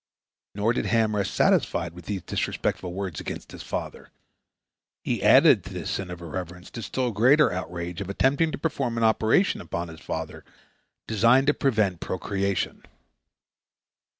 Nor did Ham rest satisfied with these disrespectful words against his father. He added to this sin of irreverence the still greater outrage of attempting to perform an operation upon his father designed to prevent procreation.